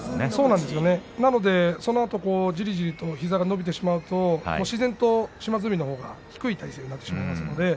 そのあとじりじりと膝が伸びてしまうと自然と島津海のほうが低い体勢になっています。